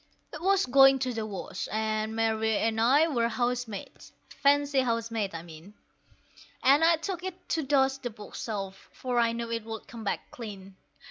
It was going to the wash, and Mary and I were house maids fancy house maids, I mean And I took it to dust the bookshelf, for I knew it would come back clean.